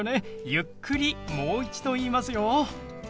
ゆっくりもう一度言いますよ。